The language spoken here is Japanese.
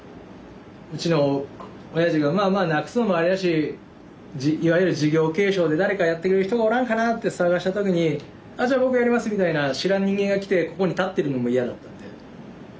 うちのおやじがまあまあなくすのもあれだしいわゆる事業継承で誰かやってくれる人がおらんかなって探した時に「あじゃあ僕やります」みたいな知らん人間が来てここに立ってるのも嫌だったんで。